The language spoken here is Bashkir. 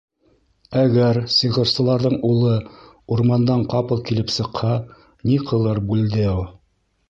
Әгәр сихырсыларҙың улы урмандан ҡапыл килеп сыҡһа, ни ҡылыр Бульдео?